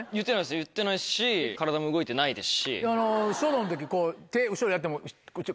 言ってないし体も動いてないですし。